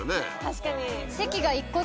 確かに。